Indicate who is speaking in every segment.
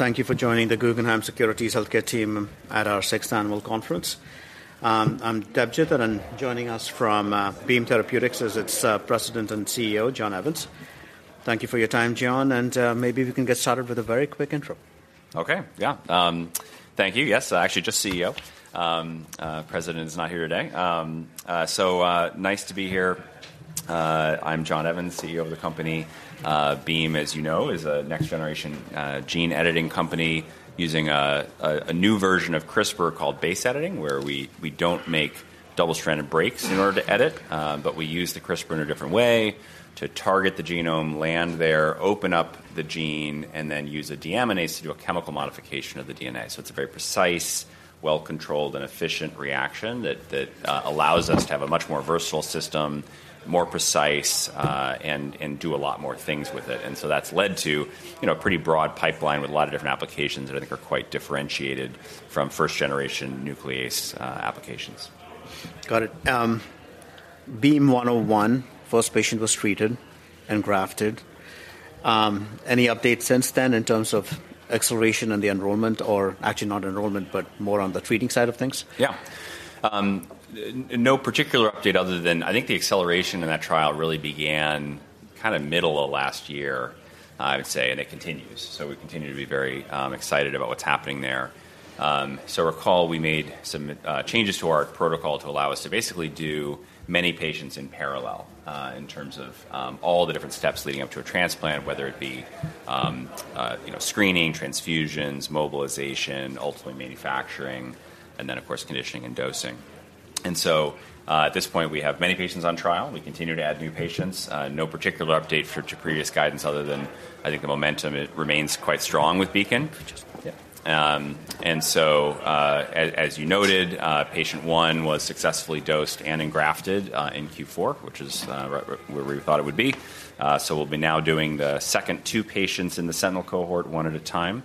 Speaker 1: Thank you for joining the Guggenheim Securities Healthcare Team at our sixth annual conference. I'm Debjit, and joining us from Beam Therapeutics is its President and CEO, John Evans. Thank you for your time, John, and maybe we can get started with a very quick intro.
Speaker 2: Okay. Yeah, thank you. Yes, actually, just CEO. President is not here today. So, nice to be here. I'm John Evans, CEO of the company. Beam, as you know, is a next-generation gene-editing company using a new version of CRISPR called base editing, where we don't make double-stranded breaks in order to edit, but we use the CRISPR in a different way to target the genome, land there, open up the gene, and then use a deaminase to do a chemical modification of the DNA. So it's a very precise, well-controlled, and efficient reaction that allows us to have a much more versatile system, more precise, and do a lot more things with it. And so that's led to, you know, a pretty broad pipeline with a lot of different applications that I think are quite differentiated from first-generation nuclease applications.
Speaker 1: Got it. BEAM-101, first patient was treated and grafted. Any updates since then in terms of acceleration and the enrollment or... Actually, not enrollment, but more on the treating side of things?
Speaker 2: Yeah. No particular update other than I think the acceleration in that trial really began kind of middle of last year, I would say, and it continues. So we continue to be very excited about what's happening there. So recall, we made some changes to our protocol to allow us to basically do many patients in parallel in terms of you know, screening, transfusions, mobilization, ultimately manufacturing, and then, of course, conditioning and dosing. And so at this point, we have many patients on trial. We continue to add new patients. No particular update to previous guidance other than I think the momentum, it remains quite strong with BEACON.
Speaker 1: Just-
Speaker 2: Yeah. And so, as you noted, patient one was successfully dosed and engrafted in Q4, which is where we thought it would be. So we'll be now doing the second two patients in the Sentinel cohort, one at a time,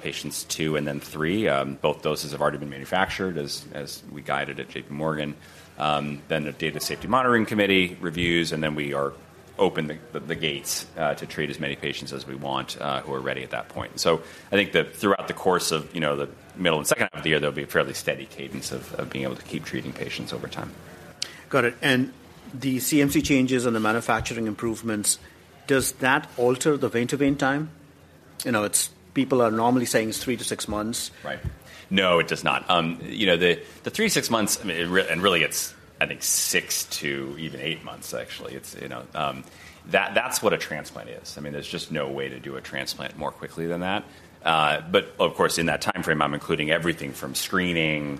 Speaker 2: patients two and then three. Both doses have already been manufactured as we guided at JPMorgan. Then the Data Safety Monitoring Committee reviews, and then we are open the gates to treat as many patients as we want who are ready at that point. So I think that throughout the course of, you know, the middle and second half of the year, there'll be a fairly steady cadence of being able to keep treating patients over time.
Speaker 1: Got it. And the CMC changes and the manufacturing improvements, does that alter the vein-to-vein time? You know, it's. People are normally saying it's three to six months.
Speaker 2: Right. No, it does not. You know, the three to six months, I mean, it re-- and really, it's, I think, six to even eight months, actually. It's, you know, that, that's what a transplant is. I mean, there's just no way to do a transplant more quickly than that. But, of course, in that timeframe, I'm including everything from screening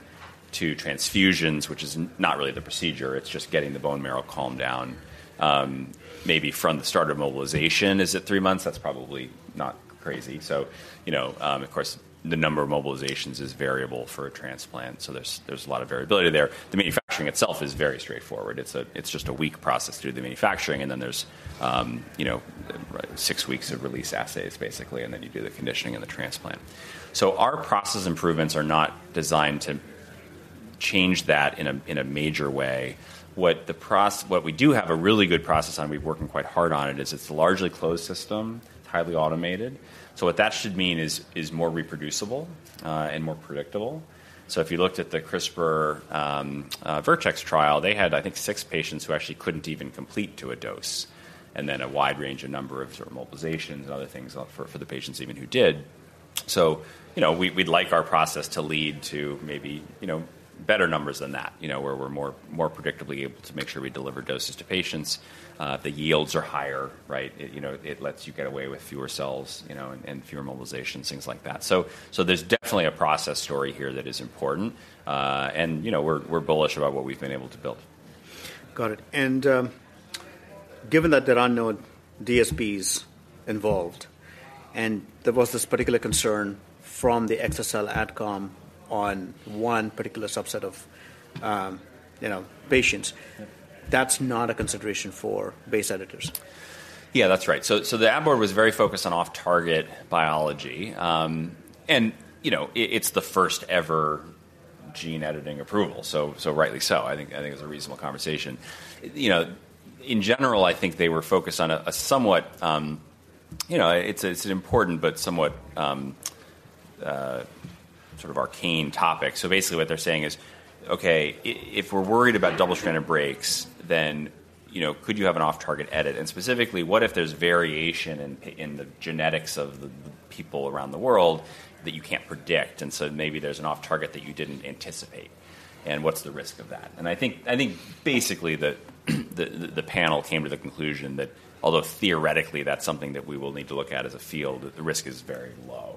Speaker 2: to transfusions, which is not really the procedure, it's just getting the bone marrow calm down. Maybe from the start of mobilization, is it three months? That's probably not crazy. So, you know, of course, the number of mobilizations is variable for a transplant, so there's, there's a lot of variability there. The manufacturing itself is very straightforward. It's just a week process through the manufacturing, and then there's, you know, six weeks of release assays, basically, and then you do the conditioning and the transplant. So our process improvements are not designed to change that in a major way. What we do have a really good process, and we've been working quite hard on it, is it's a largely closed system, highly automated. So what that should mean is more reproducible, and more predictable. So if you looked at the CRISPR, Vertex trial, they had, I think, six patients who actually couldn't even complete to a dose, and then a wide range of number of sort of mobilizations and other things for the patients even who did. So, you know, we'd like our process to lead to maybe, you know, better numbers than that, you know, where we're more predictably able to make sure we deliver doses to patients. The yields are higher, right? It, you know, it lets you get away with fewer cells, you know, and fewer mobilizations, things like that. So there's definitely a process story here that is important. And, you know, we're bullish about what we've been able to build.
Speaker 1: Got it. And, given that there are no DSBs involved, and there was this particular concern from the FDA AdCom on one particular subset of, you know, patients, that's not a consideration for base editors?
Speaker 2: Yeah, that's right. So the ad board was very focused on off-target biology. And you know, it's the first ever gene-editing approval, so rightly so. I think it's a reasonable conversation. You know, in general, I think they were focused on a somewhat, you know... It's an important but somewhat sort of arcane topic. So basically, what they're saying is, "Okay, if we're worried about double-stranded breaks, then you know, could you have an off-target edit? And specifically, what if there's variation in the genetics of the people around the world that you can't predict, and so maybe there's an off-target that you didn't anticipate, and what's the risk of that? And I think basically, the panel came to the conclusion that although theoretically, that's something that we will need to look at as a field, the risk is very low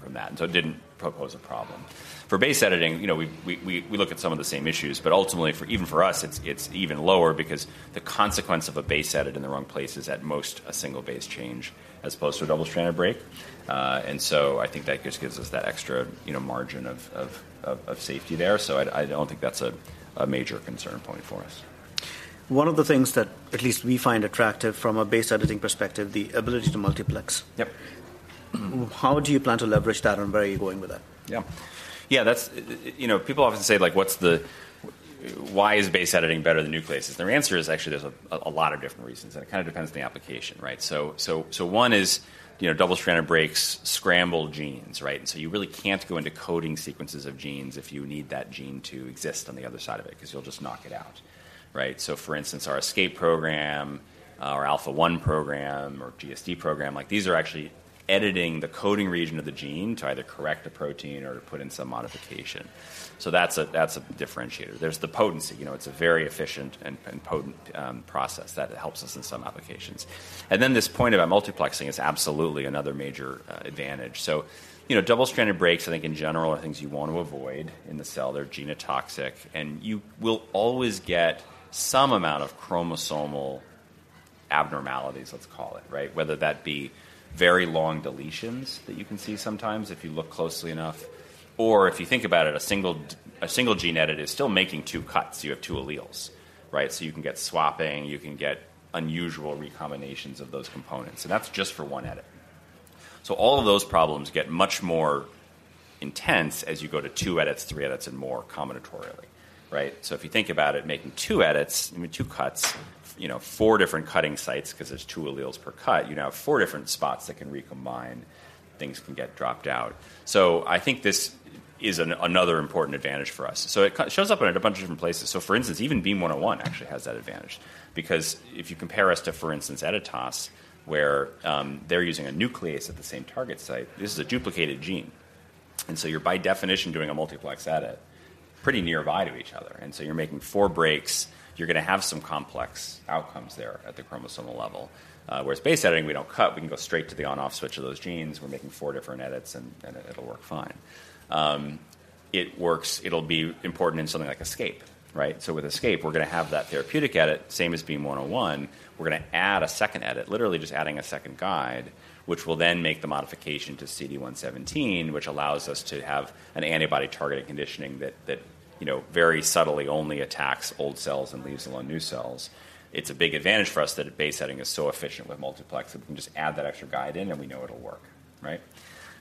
Speaker 2: from that, and so it didn't pose a problem. For base editing, you know, we look at some of the same issues, but ultimately, for us, it's even lower because the consequence of a base edit in the wrong place is, at most, a single base change, as opposed to a double-stranded break. I think that just gives us that extra, you know, margin of safety there, so I don't think that's a major concern point for us.
Speaker 1: One of the things that at least we find attractive from a base editing perspective, the ability to multiplex.
Speaker 2: Yep.
Speaker 1: How do you plan to leverage that, and where are you going with that?
Speaker 2: Yeah. Yeah, that's... You know, people often say, like, "What's the-... Why is base editing better than nucleases? And our answer is actually there's a, a lot of different reasons, and it kind of depends on the application, right? So, so, so one is, you know, double-stranded breaks scramble genes, right? And so you really can't go into coding sequences of genes if you need that gene to exist on the other side of it, 'cause you'll just knock it out, right? So for instance, our ESCAPE program, our Alpha-1 program, or GSD program, like these are actually editing the coding region of the gene to either correct the protein or to put in some modification. So that's a, that's a differentiator. There's the potency. You know, it's a very efficient and, and potent, process that helps us in some applications. This point about multiplexing is absolutely another major advantage. You know, double-stranded breaks, I think, in general, are things you want to avoid in the cell. They're genotoxic, and you will always get some amount of chromosomal abnormalities, let's call it, right? Whether that be very long deletions that you can see sometimes if you look closely enough, or if you think about it, a single gene edit is still making two cuts. You have two alleles, right? So you can get swapping, you can get unusual recombinations of those components, and that's just for one edit. So all of those problems get much more intense as you go to two edits, three edits, and more combinatorially, right? So if you think about it, making two edits, I mean, two cuts, you know, four different cutting sites, 'cause there's two alleles per cut, you now have four different spots that can recombine, things can get dropped out. So I think this is another important advantage for us. So it shows up in a bunch of different places. So for instance, even BEAM-101 actually has that advantage, because if you compare us to, for instance, Editas, where they're using a nuclease at the same target site, this is a duplicated gene. And so you're by definition doing a multiplex edit pretty nearby to each other. And so you're making four breaks, you're gonna have some complex outcomes there at the chromosomal level. Whereas base editing, we don't cut, we can go straight to the on/off switch of those genes. We're making four different edits, and it'll work fine. It'll be important in something like ESCAPE, right? So with ESCAPE, we're gonna have that therapeutic edit, same as BEAM-101. We're gonna add a second edit, literally just adding a second guide, which will then make the modification to CD117, which allows us to have an antibody-targeted conditioning that, you know, very subtly only attacks old cells and leaves alone new cells. It's a big advantage for us that base editing is so efficient with multiplex, that we can just add that extra guide in, and we know it'll work, right?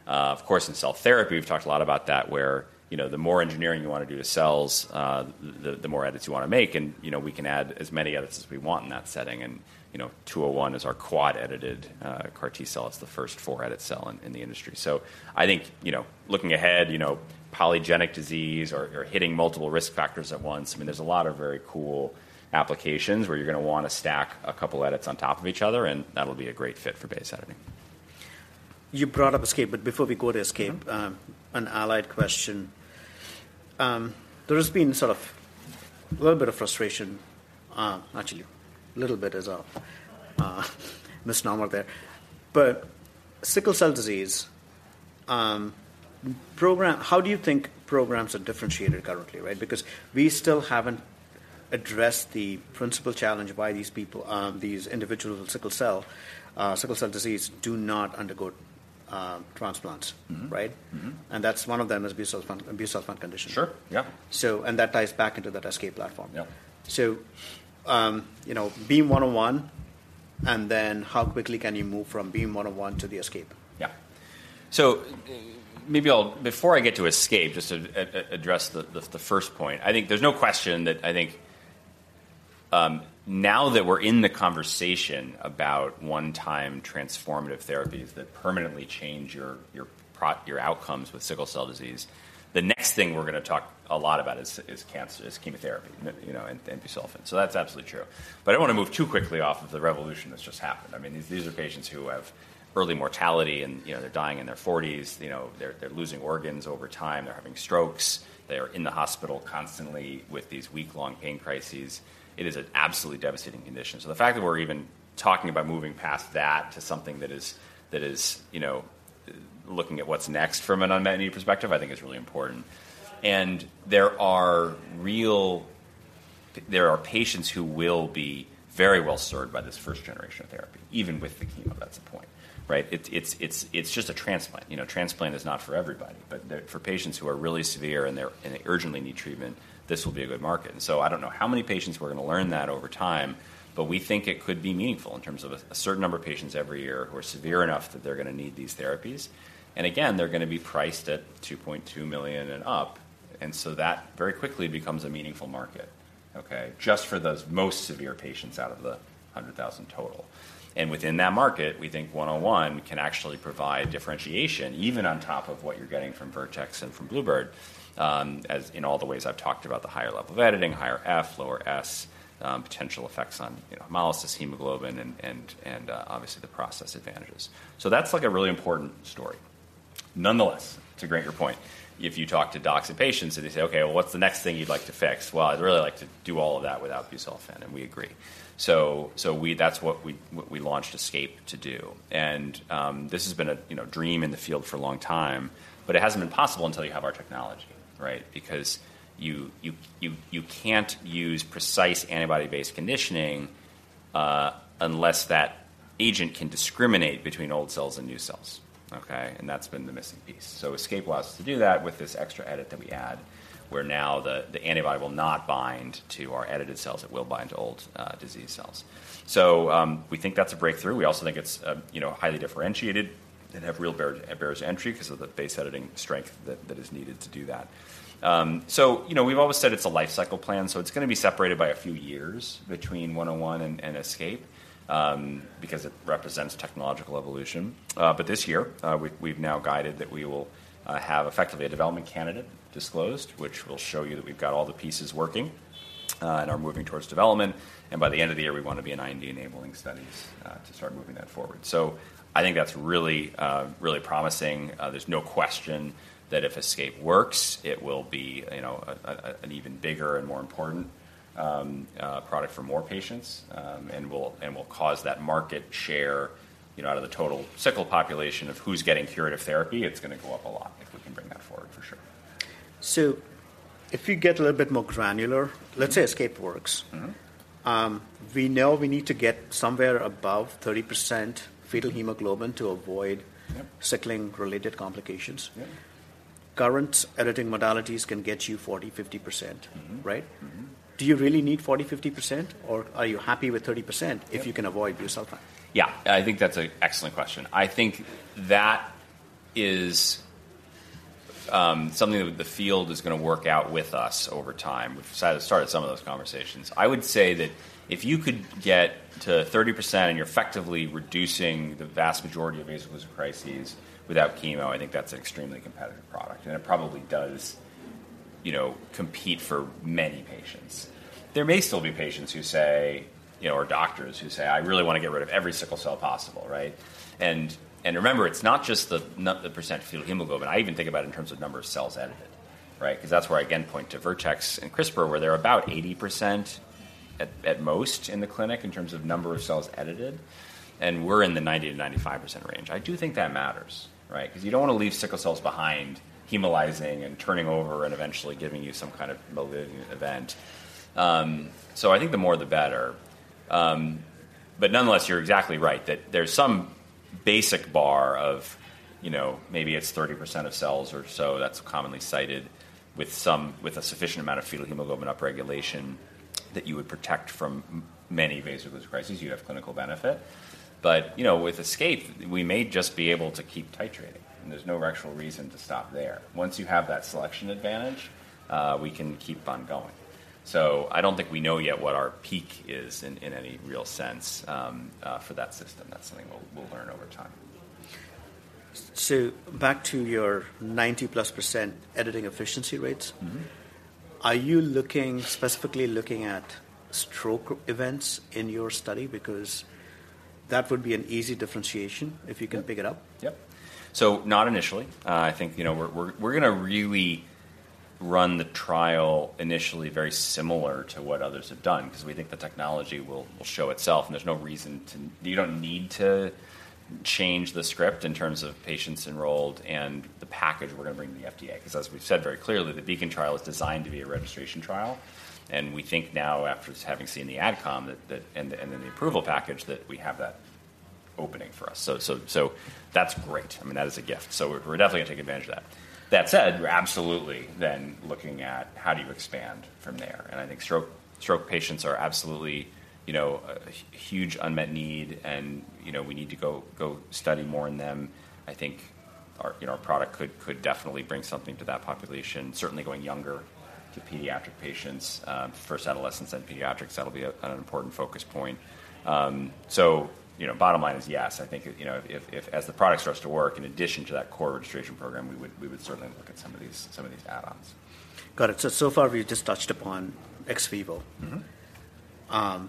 Speaker 2: Of course, in cell therapy, we've talked a lot about that, where, you know, the more engineering you want to do to cells, the more edits you want to make, and, you know, we can add as many edits as we want in that setting, and, you know, BEAM-201 is our quad-edited, CAR-T cell. It's the first four-edit cell in the industry. So I think, you know, looking ahead, you know, polygenic disease or hitting multiple risk factors at once, I mean, there's a lot of very cool applications where you're gonna want to stack a couple edits on top of each other, and that'll be a great fit for base editing.
Speaker 1: You brought up ESCAPE, but before we go to ESCAPE. An allied question. There has been sort of a little bit of frustration, actually, a little bit is misnomer there. But sickle cell disease program—how do you think programs are differentiated currently, right? Because we still haven't addressed the principal challenge why these people, these individuals with sickle cell, sickle cell disease do not undergo transplants.
Speaker 2: Mm-hmm.
Speaker 1: Right?
Speaker 2: Mm-hmm.
Speaker 1: That's one of them is busulfan, busulfan conditioning.
Speaker 2: Sure. Yeah.
Speaker 1: So, and that ties back into that ESCAPE platform.
Speaker 2: Yeah.
Speaker 1: So, you know, BEAM-101, and then how quickly can you move from BEAM-101 to the ESCAPE?
Speaker 2: Yeah. So maybe I'll before I get to ESCAPE, just to address the first point, I think there's no question that I think, now that we're in the conversation about one-time transformative therapies that permanently change your outcomes with sickle cell disease, the next thing we're gonna talk a lot about is cancer, is chemotherapy, you know, and busulfan. So that's absolutely true. But I don't want to move too quickly off of the revolution that's just happened. I mean, these are patients who have early mortality, and, you know, they're dying in their forties. You know, they're losing organs over time. They're having strokes. They are in the hospital constantly with these week-long pain crises. It is an absolutely devastating condition. So the fact that we're even talking about moving past that to something that is, you know, looking at what's next from a non-med perspective, I think is really important. There are patients who will be very well served by this first generation of therapy, even with the chemo; that's the point, right? It's just a transplant. You know, transplant is not for everybody, but for patients who are really severe, and they urgently need treatment, this will be a good market. And so I don't know how many patients we're gonna learn that over time, but we think it could be meaningful in terms of a certain number of patients every year who are severe enough that they're gonna need these therapies. And again, they're gonna be priced at $2.2 million and up, and so that very quickly becomes a meaningful market, okay? Just for those most severe patients out of the 100,000 total. And within that market, we think 101 can actually provide differentiation, even on top of what you're getting from Vertex and from Bluebird, as in all the ways I've talked about the higher level of editing, higher F, lower S, potential effects on, you know, hemolysis, hemoglobin, and obviously, the process advantages. So that's, like, a really important story. Nonetheless, to grant your point, if you talk to docs and patients, and they say, "Okay, what's the next thing you'd like to fix?" "Well, I'd really like to do all of that without busulfan," and we agree. So, so we-- that's what we, what we launched ESCAPE to do. This has been a, you know, dream in the field for a long time, but it hasn't been possible until you have our technology, right? Because you can't use precise antibody-based conditioning, unless that agent can discriminate between old cells and new cells, okay? And that's been the missing piece. So ESCAPE allows us to do that with this extra edit that we add, where now the antibody will not bind to our edited cells. It will bind to old disease cells. So we think that's a breakthrough. We also think it's, you know, highly differentiated and have real barriers to entry because of the base editing strength that is needed to do that. So, you know, we've always said it's a lifecycle plan, so it's going to be separated by a few years between 101 and, and ESCAPE, because it represents technological evolution. But this year, we've now guided that we will have effectively a development candidate disclosed, which will show you that we've got all the pieces working, and are moving towards development. And by the end of the year, we want to be in IND-enabling studies, to start moving that forward. So I think that's really, really promising. There's no question that if ESCAPE works, it will be, you know, an even bigger and more important product for more patients, and will cause that market share, you know, out of the total sickle population of who's getting curative therapy. It's going to go up a lot if we can bring that forward for sure.
Speaker 1: So if you get a little bit more granular. Let's say ESCAPE works.
Speaker 2: Mm-hmm.
Speaker 1: We know we need to get somewhere above 30%-
Speaker 2: Mm.
Speaker 1: -Fetal hemoglobin to avoid-
Speaker 2: Yep.
Speaker 1: sickling-related complications.
Speaker 2: Yep.
Speaker 1: Current editing modalities can get you 40%-50%.
Speaker 2: Mm-hmm.
Speaker 1: Right?
Speaker 2: Mm-hmm.
Speaker 1: Do you really need 40%-50%, or are you happy with 30%?
Speaker 2: Yep.
Speaker 1: If you can avoid yourself time?
Speaker 2: Yeah, I think that's an excellent question. I think that is something that the field is going to work out with us over time. We've started some of those conversations. I would say that if you could get to 30%, and you're effectively reducing the vast majority of vaso-occlusive crises without chemo, I think that's an extremely competitive product, and it probably does, you know, compete for many patients. There may still be patients who say, you know, or doctors who say, "I really want to get rid of every sickle cell possible," right? And remember, it's not just the percent fetal hemoglobin. I even think about it in terms of number of cells edited, right? Because that's where I again point to Vertex and CRISPR, where they're about 80% at, at most in the clinic in terms of number of cells edited, and we're in the 90%-95% range. I do think that matters, right? Because you don't want to leave sickle cells behind, hemolyzing and turning over and eventually giving you some kind of malignant event. So I think the more, the better. But nonetheless, you're exactly right, that there's some basic bar of, you know, maybe it's 30% of cells or so, that's commonly cited, with a sufficient amount of fetal hemoglobin upregulation that you would protect from many vasoconstrictions, you have clinical benefit. But, you know, with ESCAPE, we may just be able to keep titrating, and there's no actual reason to stop there. Once you have that selection advantage, we can keep on going. So I don't think we know yet what our peak is in any real sense, for that system. That's something we'll learn over time.
Speaker 1: Back to your 90%+ editing efficiency rates-
Speaker 2: Mm-hmm.
Speaker 1: Are you looking, specifically looking at stroke events in your study? Because that would be an easy differentiation if you can pick it up.
Speaker 2: Yep. So not initially. I think, you know, we're going to really run the trial initially very similar to what others have done, because we think the technology will show itself, and there's no reason to—you don't need to change the script in terms of patients enrolled and the package we're going to bring to the FDA. Because as we've said very clearly, the BEACON trial is designed to be a registration trial, and we think now, after having seen the AdCom, that—and then the approval package, that we have that opening for us. So, so, so that's great. I mean, that is a gift, so we're definitely going to take advantage of that. That said, we're absolutely then looking at how do you expand from there? And I think stroke patients are absolutely, you know, a huge unmet need, and, you know, we need to go study more in them. I think our, you know, our product could definitely bring something to that population, certainly going younger to pediatric patients, first adolescents, then pediatrics, that'll be an important focus point. So you know, bottom line is, yes, I think, you know, if, as the product starts to work, in addition to that core registration program, we would certainly look at some of these add-ons.
Speaker 1: Got it. So far, we've just touched upon ex vivo.
Speaker 2: Mm-hmm.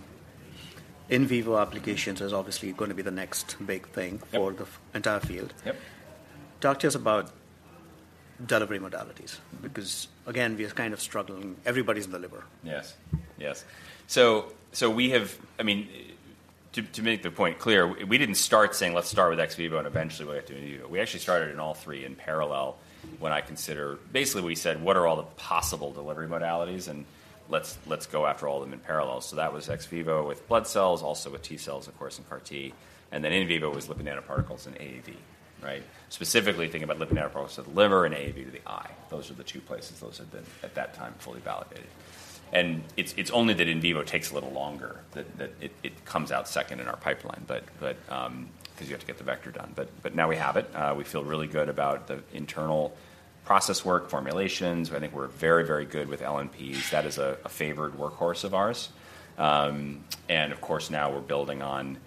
Speaker 1: In vivo applications is obviously going to be the next big thing-
Speaker 2: Yep.
Speaker 1: for the entire field.
Speaker 2: Yep.
Speaker 1: Talk to us about delivery modalities, because, again, we are kind of struggling. Everybody's in the liver.
Speaker 2: Yes. Yes. So we have—I mean, to make the point clear, we didn't start saying, "Let's start with ex vivo, and eventually, we'll get to in vivo." We actually started in all three in parallel. Basically, we said, "What are all the possible delivery modalities? And let's go after all of them in parallel." So that was ex vivo with blood cells, also with T-cells, of course, in CAR T, and then in vivo was lipid nanoparticles and AAV, right? Specifically, thinking about lipid nanoparticles of the liver and AAV to the eye. Those are the two places those had been, at that time, fully validated. And it's only that in vivo takes a little longer, that it comes out second in our pipeline, but because you have to get the vector done. But now we have it. We feel really good about the internal process work, formulations. I think we're very, very good with LNPs. That is a favored workhorse of ours. And of course, now we're building on,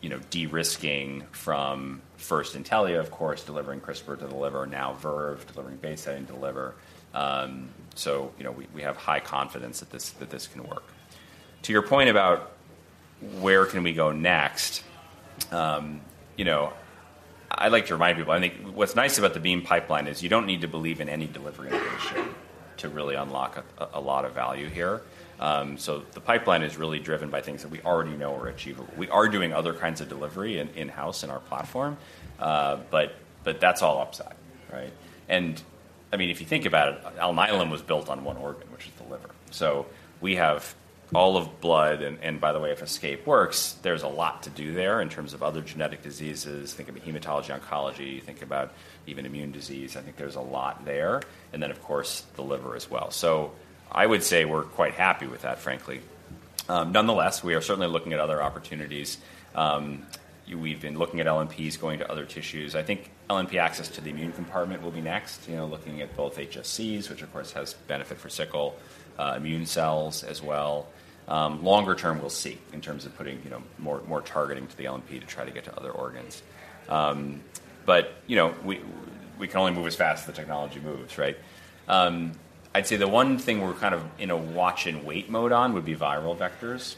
Speaker 2: you know, de-risking from first Intellia, of course, delivering CRISPR to the liver, now Verve, delivering base editing to the liver. So you know, we have high confidence that this, that this can work. To your point about where can we go next, you know, I like to remind people, I think what's nice about the Beam pipeline is you don't need to believe in any delivery innovation to really unlock a lot of value here. So the pipeline is really driven by things that we already know are achievable. We are doing other kinds of delivery in-house in our platform, but that's all upside, right? I mean, if you think about it, Alnylam was built on one organ, which is the liver. So we have all of blood, and by the way, if ESCAPE works, there's a lot to do there in terms of other genetic diseases. Think about hematology, oncology, think about even immune disease. I think there's a lot there, and then, of course, the liver as well. So I would say we're quite happy with that, frankly. Nonetheless, we are certainly looking at other opportunities. We've been looking at LNPs going to other tissues. I think LNP access to the immune compartment will be next, you know, looking at both HSCs, which of course has benefit for sickle, immune cells as well. Longer term, we'll see, in terms of putting, you know, more, more targeting to the LNP to try to get to other organs. But, you know, we, we can only move as fast as the technology moves, right? I'd say the one thing we're kind of in a watch and wait mode on would be viral vectors.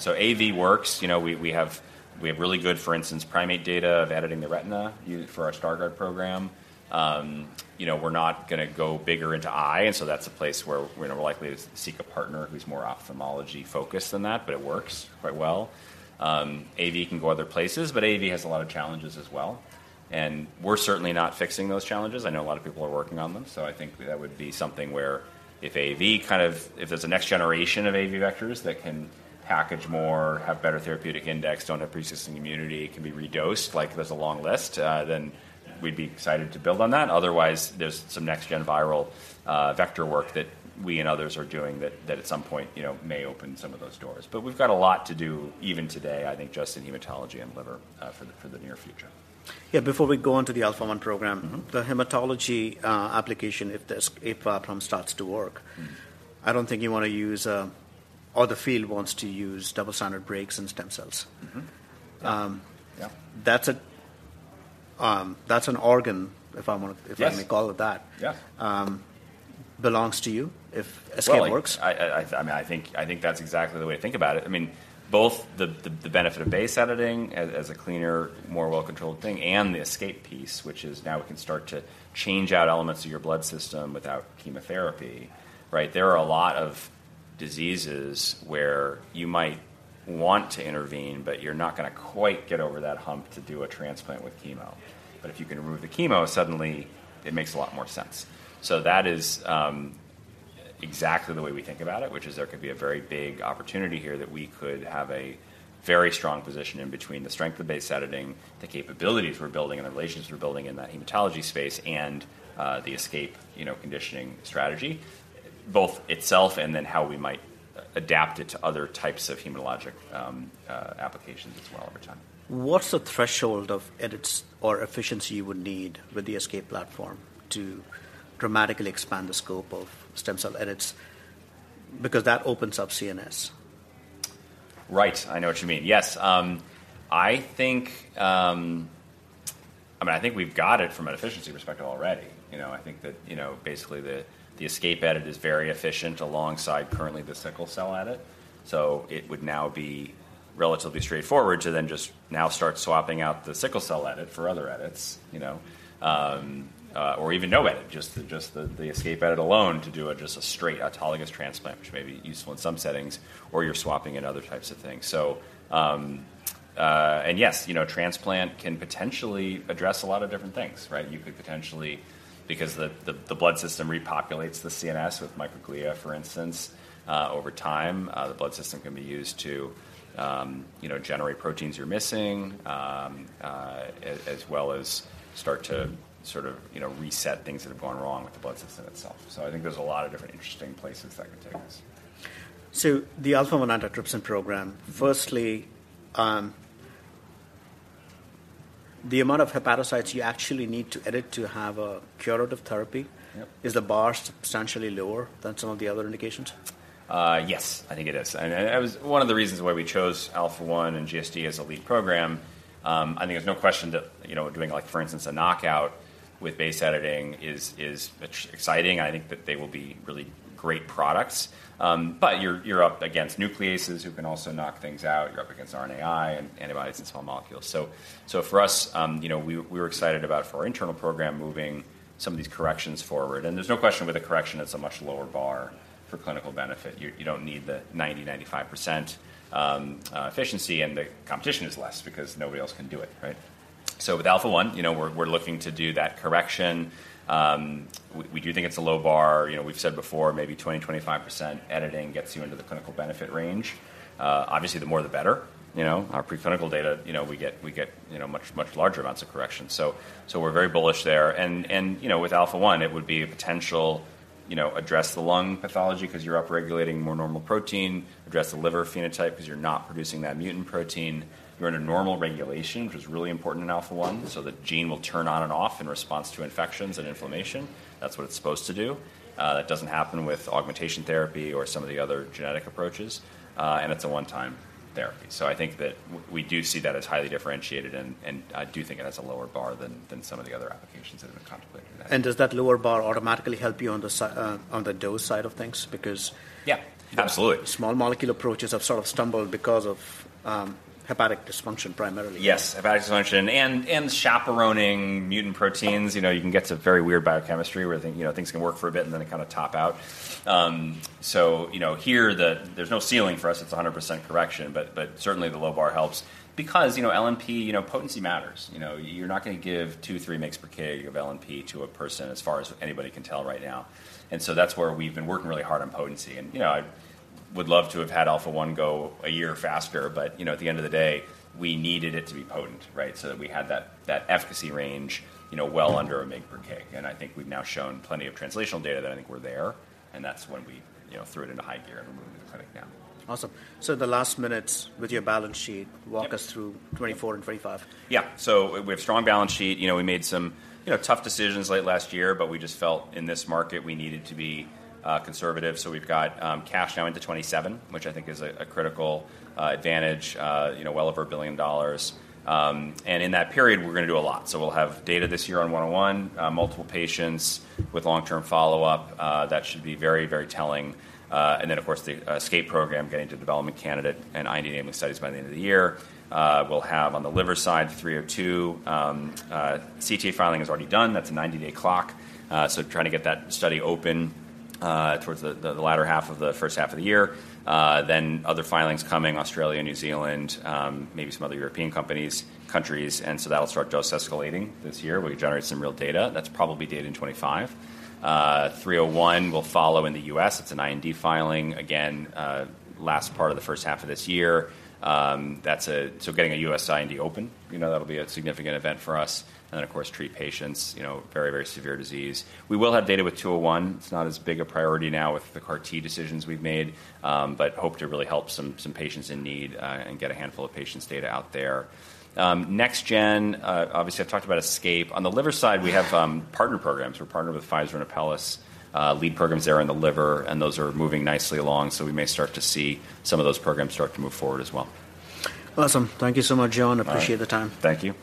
Speaker 2: So AAV works. You know, we, we have, we have really good, for instance, primate data of editing the retina for our Stargardt program. You know, we're not gonna go bigger into eye, and so that's a place where we're likely to seek a partner who's more ophthalmology-focused than that, but it works quite well. AAV can go other places, but AAV has a lot of challenges as well, and we're certainly not fixing those challenges. I know a lot of people are working on them, so I think that would be something where if AAV kind of, if there's a next generation of AAV vectors that can package more, have better therapeutic index, don't have pre-existing immunity, can be redosed, like, there's a long list, then we'd be excited to build on that. Otherwise, there's some next-gen viral vector work that we and others are doing that at some point, you know, may open some of those doors. But we've got a lot to do even today, I think, just in hematology and liver for the near future.
Speaker 1: Yeah, before we go on to the Alpha-1 program-
Speaker 2: Mm-hmm.
Speaker 1: -the hematology application, if the ESCAPE platform starts to work. I don't think you want to use, or the field wants to use double-stranded breaks and stem cells.
Speaker 2: Mm-hmm. Yeah.
Speaker 1: That's a, that's an organ, if I want to-
Speaker 2: Yes.
Speaker 1: If I may call it that.
Speaker 2: Yeah.
Speaker 1: Belongs to you if ESCAPE works?
Speaker 2: Well, I mean, I think that's exactly the way to think about it. I mean, both the benefit of base editing as a cleaner, more well-controlled thing, and the ESCAPE piece, which is now we can start to change out elements of your blood system without chemotherapy, right? There are a lot of diseases where you might want to intervene, but you're not gonna quite get over that hump to do a transplant with chemo. But if you can remove the chemo, suddenly it makes a lot more sense. So that is exactly the way we think about it, which is there could be a very big opportunity here that we could have a very strong position in between the strength of base editing, the capability for building and the relationships we're building in that hematology space, and the ESCAPE, you know, conditioning strategy, both itself and then how we might adapt it to other types of hematologic applications as well over time.
Speaker 1: What's the threshold of edits or efficiency you would need with the ESCAPE platform to dramatically expand the scope of stem cell edits? Because that opens up CNS.
Speaker 2: Right. I know what you mean. Yes, I think, I mean, I think we've got it from an efficiency perspective already. You know, I think that, you know, basically, the ESCAPE edit is very efficient alongside currently the sickle cell edit, so it would now be relatively straightforward to then just now start swapping out the sickle cell edit for other edits, you know. Or even no edit, just the ESCAPE edit alone to do a straight autologous transplant, which may be useful in some settings, or you're swapping in other types of things. So, and yes, you know, transplant can potentially address a lot of different things, right? You could potentially, because the blood system repopulates the CNS with microglia, for instance, over time, the blood system can be used to, you know, generate proteins you're missing, as well as start to sort of, you know, reset things that have gone wrong with the blood system itself. So I think there's a lot of different interesting places that can take us.
Speaker 1: So the Alpha-1 Antitrypsin program, firstly, the amount of hepatocytes you actually need to edit to have a curative therapy-
Speaker 2: Yep.
Speaker 1: Is the bar substantially lower than some of the other indications?
Speaker 2: Yes, I think it is. And it was one of the reasons why we chose Alpha-1 and GSD as a lead program. I think there's no question that, you know, doing, like, for instance, a knockout with base editing is exciting. I think that they will be really great products. But you're up against nucleases, who can also knock things out. You're up against RNAi and antibodies and small molecules. So for us, you know, we were excited about for our internal program, moving some of these corrections forward. And there's no question with the correction, it's a much lower bar for clinical benefit. You don't need the 90%-95% efficiency, and the competition is less because nobody else can do it, right? So with Alpha-1, you know, we're looking to do that correction. We do think it's a low bar. You know, we've said before, maybe 20%-25% editing gets you into the clinical benefit range. Obviously, the more, the better, you know. Our preclinical data, you know, we get much larger amounts of correction. So we're very bullish there. And, you know, with Alpha-1, it would be a potential, you know, address the lung pathology because you're upregulating more normal protein, address the liver phenotype because you're not producing that mutant protein. You're in a normal regulation, which is really important in Alpha-1, so the gene will turn on and off in response to infections and inflammation. That's what it's supposed to do. That doesn't happen with augmentation therapy or some of the other genetic approaches, and it's a one-time therapy. So I think that we do see that as highly differentiated, and I do think it has a lower bar than some of the other applications that have been contemplated in that.
Speaker 1: Does that lower bar automatically help you on the dose side of things? Because-
Speaker 2: Yeah, absolutely.
Speaker 1: Small molecule approaches have sort of stumbled because of hepatic dysfunction primarily.
Speaker 2: Yes, hepatic dysfunction and chaperoning mutant proteins. You know, you can get to very weird biochemistry, where things can work for a bit and then they kind of top out. So, you know, here, there's no ceiling for us, it's 100% correction, but certainly, the low bar helps because, you know, LNP potency matters. You know, you're not gonna give 2-3 mg/kg of LNP to a person as far as anybody can tell right now. And so that's where we've been working really hard on potency. And, you know, I would love to have had Alpha-1 go a year faster, but, you know, at the end of the day, we needed it to be potent, right? So that we had that efficacy range, you know, well under 1 mg/kg. I think we've now shown plenty of translational data that I think we're there, and that's when we, you know, threw it into high gear and we're moving to the clinic now.
Speaker 1: Awesome. So the last minutes with your balance sheet-
Speaker 2: Yep.
Speaker 1: Walk us through 2024 and 2025.
Speaker 2: Yeah. So we have strong balance sheet. You know, we made some, you know, tough decisions late last year, but we just felt in this market we needed to be conservative. So we've got cash now into 2027, which I think is a critical advantage, you know, well over $1 billion. And in that period, we're gonna do a lot. So we'll have data this year on 101, multiple patients with long-term follow-up. That should be very, very telling. And then, of course, the ESCAPE program, getting to development candidate and IND enabling studies by the end of the year. We'll have, on the liver side, 302. CTA filing is already done. That's a 90-day clock. So trying to get that study open, towards the latter half of the first half of the year. Then other filings coming, Australia, New Zealand, maybe some other European countries, and so that'll start dose escalating this year. We generate some real data. That's probably data in 2025. 301 will follow in the U.S. It's an IND filing. Again, last part of the first half of this year. That's a... So getting a U.S. IND open, you know, that'll be a significant event for us. And then, of course, treat patients, you know, very, very severe disease. We will have data with 201. It's not as big a priority now with the CAR-T decisions we've made, but hope to really help some patients in need, and get a handful of patients' data out there. Next gen, obviously, I've talked about ESCAPE. On the liver side, we have partner programs. We're partnered with Pfizer and Apellis, lead programs there in the liver, and those are moving nicely along, so we may start to see some of those programs start to move forward as well.
Speaker 1: Awesome. Thank you so much, John.
Speaker 2: Uh.
Speaker 1: I appreciate the time.
Speaker 2: Thank you.